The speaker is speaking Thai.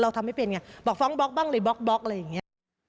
ทำไม่เป็นไงบอกฟ้องบล็อกบ้างเลยบล็อกอะไรอย่างนี้